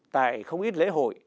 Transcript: tại không ít lễ hội